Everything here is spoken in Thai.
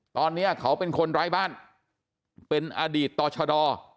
ตอนนี้เขาเป็นคนไร้บ้านเป็นอดีตต่อชะดอ